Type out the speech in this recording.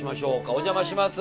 お邪魔します。